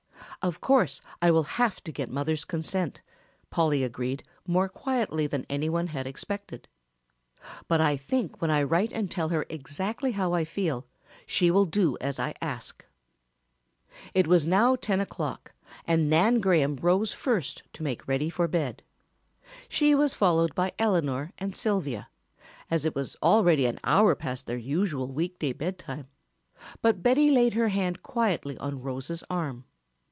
"Of course I will have to get mother's consent," Polly agreed more quietly than any one had expected, "but I think when I write and tell her exactly how I feel she will do as I ask." It was now ten o'clock and Nan Graham rose first to make ready for bed. She was followed by Eleanor and Sylvia, as it was already an hour past their usual week day bedtime, but Betty laid her hand quietly on Rose's arm.